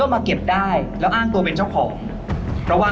สนุกสนุกสนุกสนุก